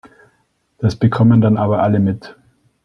Das bekommen dann aber alle mit.